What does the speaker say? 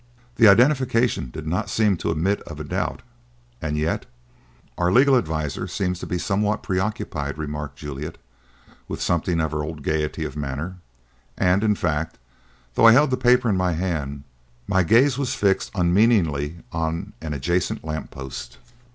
The identification did not seem to admit of a doubt, and yet "Our legal adviser appears to be somewhat preoccupied," remarked Juliet, with something of her old gaiety of manner; and, in fact, though I held the paper in my hand, my gaze was fixed unmeaningly on an adjacent lamp post.